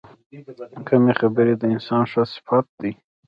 کمې خبرې، د انسان ښه صفت دی.